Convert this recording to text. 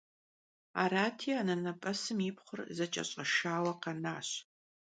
Arati, anenep'esım yi pxhur zeç'eş'eşşaue khenaş.